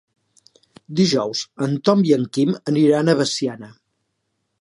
Dijous en Tom i en Quim aniran a Veciana.